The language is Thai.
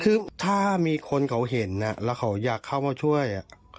คือถ้ามีคนเขาเห็นแล้วเขาอยากเข้ามาช่วย